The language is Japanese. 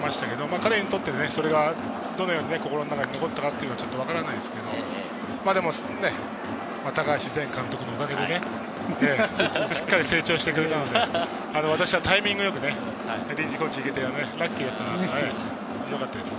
彼にとってそれが、どのように心の中に残ったかはわからないですけど、高橋前監督のおかげで、しっかり成長してくれたので、私はタイミングよく臨時コーチをしてラッキーだと思います。